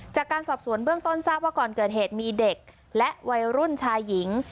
จากการสอบสวนเบื้องต้นทราบว่าก่อนเกิดเหตุมีเด็กและวัยรุ่นชายหญิง